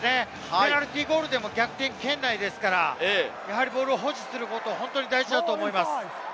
ペナルティーゴールでも逆転圏内ですから、ボールを保持することが本当に大事だと思います。